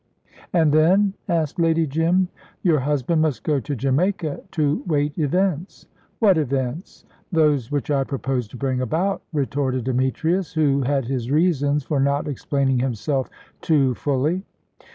"And then?" asked Lady Jim. "Your husband must go to Jamaica, to wait events." "What events?" "Those which I propose to bring about," retorted Demetrius, who had his reasons for not explaining himself too fully.